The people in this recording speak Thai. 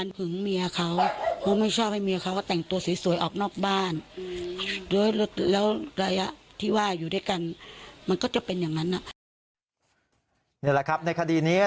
นี่แหละครับในคดีนี้